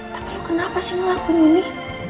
tapi lo kenapa sih ngelakuin ini